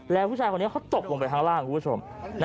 แล้วผู้ชายคนนี้เขาตกลงไปข้างล่างคุณผู้ชม